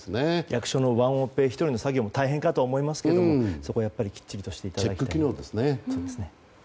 役所のワンオペ１人の作業も大変かと思いますがそこはきっちりとしていただきたいですね。